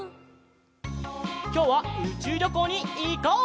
きょうはうちゅうりょこうにいこう！